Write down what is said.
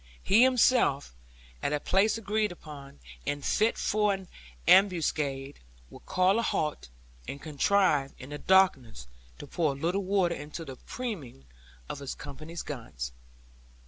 He himself, at a place agreed upon, and fit for an ambuscade, would call a halt, and contrive in the darkness to pour a little water into the priming of his company's guns.